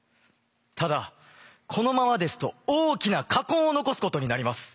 ただこのままですと大きな禍根を残すことになります。